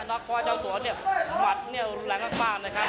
เพราะว่าเจ้าตัวเนี่ยหมัดเนี่ยรุนแรงมากนะครับ